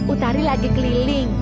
utari lagi keliling